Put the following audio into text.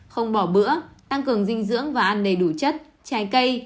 không bỏ bữa tăng cường dinh dưỡng và ăn đầy đủ chất trái cây